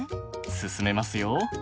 進めますよ。